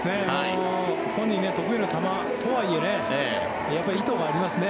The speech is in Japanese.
本人が得意な球とはいえ意図がありますね。